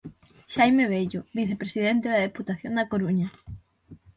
Xaime Bello, Vicepresidente da Deputación da Coruña.